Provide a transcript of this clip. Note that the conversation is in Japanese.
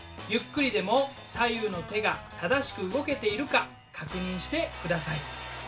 ゆっくりでも左右の手が正しく動けているか確認して下さい。